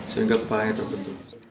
sehingga kepala terbentuk